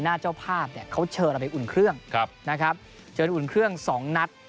นะครับเชิญอุ่นเครื่อง๒นัด